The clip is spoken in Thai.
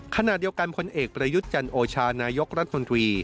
ขณะเดียวกันพลเอกประยุทธ์จันโอชานายกรัฐมนตรี